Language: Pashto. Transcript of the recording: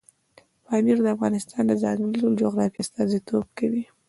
پامیر د افغانستان د ځانګړي ډول جغرافیې استازیتوب کوي.